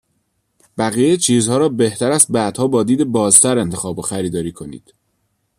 بقیه چیزها را بهتر است بعدها با دید بازتر انتخاب و خریداری کنید.